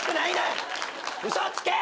嘘つけ！